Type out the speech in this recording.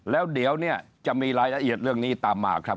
แล้วเดี๋ยวเนี่ยจะมีรายละเอียดเรื่องนี้ตามมาครับ